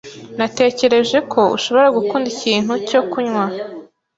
Natekereje ko ushobora gukunda ikintu cyo kunywa.